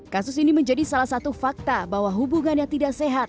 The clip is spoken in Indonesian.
kasus ini menjadi salah satu fakta bahwa hubungan yang tidak sehat